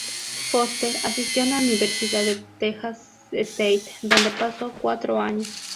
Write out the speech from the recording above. Foster asistió a la Universidad de Texas State, donde pasó cuatro años.